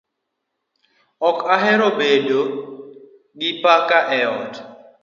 Ok ahero bedo gi paka e ot